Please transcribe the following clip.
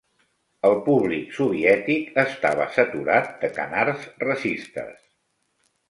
El públic soviètic estava saturat de canards racistes.